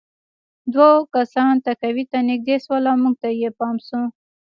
دوه کسان تهکوي ته نږدې شول او موږ ته یې پام شو